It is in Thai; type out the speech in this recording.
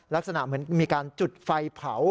ลักษณะเหมือนมีการจุดไฟเผา